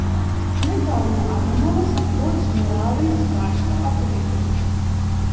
Netālu no Adamovas atrodas Morāvijas karsta apvidus.